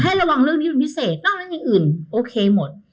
ให้ระวังเรื่องนี้มันพิเศษนั่นนั่นนี่อื่นโอเคหมด